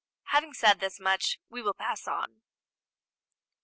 Having said this much we will pass on.